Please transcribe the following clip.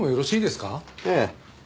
ええ。